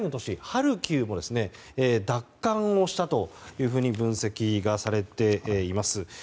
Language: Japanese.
ハルキウも奪還したと分析がされています。